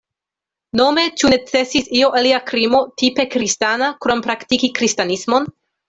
Nome ĉu necesis io alia krimo "tipe kristana" krom praktiki kristanismon?